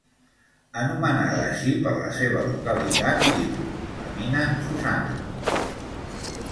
Anomenada així per la seva localitat tipus; la mina Susanna: